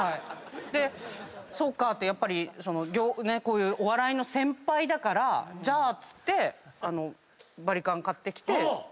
でそうかってやっぱりこういうお笑いの先輩だからじゃあっつってバリカン買ってきて。